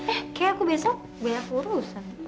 eh kayaknya aku besok banyak urusan